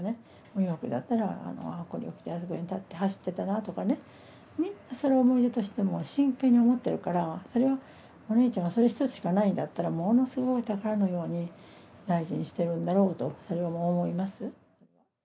お洋服だったら、ああ、これ着てあそこ走ってたなとかね、みんなそれを思い出として、真剣に思ってるから、それをお姉ちゃん、それ一つしかないんだったら、もう、ものすごい宝のように大事にしているんだろうと思いますよ。